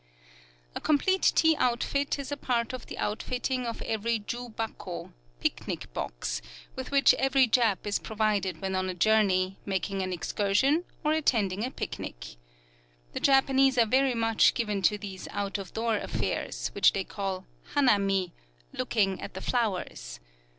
A complete tea outfit is a part of the outfitting of every Ju bako "picnic box" with which every Jap is provided when on a journey, making an excursion, or attending a picnic. The Japanese are very much given to these out of door affairs, which they call Hanami "Looking at the flowers."